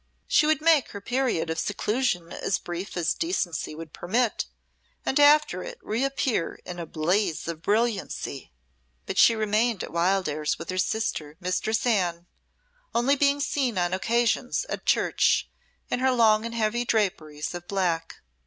She would make her period of seclusion as brief as decency would permit, and after it reappear in a blaze of brilliancy. But she remained at Wildairs with her sister, Mistress Anne, only being seen on occasions at church, in her long and heavy draperies of black.